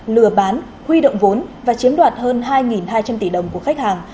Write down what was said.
lừa bán huy động vốn và chiếm đoạt hơn hai hai trăm linh tỷ đồng của khách hàng